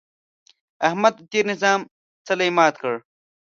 احمد د تېر نظام څلی مات کړ.